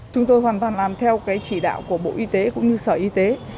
chúng tôi hoàn toàn làm theo cái chỉ đạo của bộ y tế cũng như sở y tế